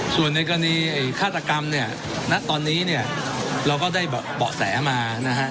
ส่วนในกรณีฆาตกรรมเนี่ยณตอนนี้เนี่ยเราก็ได้เบาะแสมานะฮะ